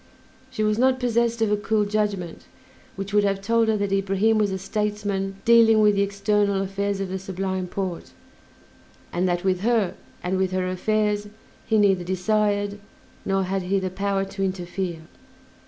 She was not possessed of a cool judgment, which would have told her that Ibrahim was a statesman dealing with the external affairs of the Sublime Porte, and that with her and with her affairs he neither desired, nor had he the power, to interfere.